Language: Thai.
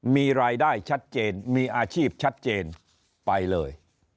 มีรายได้ชัดเจนมีอาชีพชัดเจนไปเลย